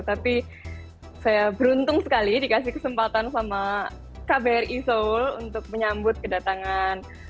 tapi saya beruntung sekali dikasih kesempatan sama kbri seoul untuk menyambut kedatangan